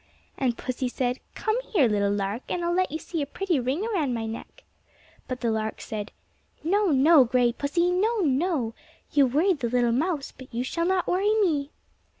And pussy said, "Come here, little lark, and I'll let you see a pretty ring round my neck." But the lark said, "No, no, gray pussy; no, no! You worried the little mouse, but you shall not worry me."